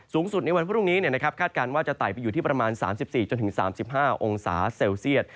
สูงสุดในวันพรุ่งนี้คาดการณ์ว่าจะไต่ไปอยู่ที่ประมาณ๓๔๓๕องศาเซลเซียต